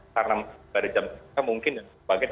karena tidak ada jam kerja mungkin dan sebagainya